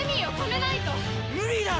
無理だろ！